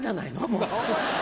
もう。